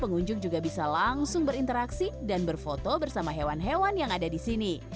pengunjung juga bisa langsung berinteraksi dan berfoto bersama hewan hewan yang ada di sini